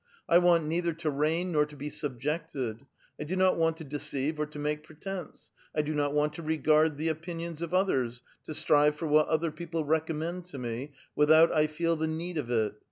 I want neither to reign nor to be subjected ; I do not want to deceive or to make pretence ; I do not want to regard the opinions of others, to strive for what other people recommend to me, without 1 feel the need of it.